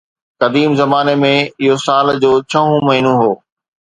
قديم زماني ۾ اهو سال جو ڇهون مهينو هو